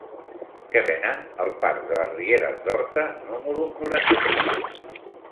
Què venen al parc de les Rieres d'Horta número noranta-sis?